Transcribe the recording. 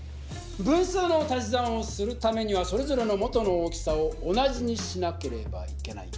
分数の足し算をするためにはそれぞれの元の大きさを同じにしなければいけない。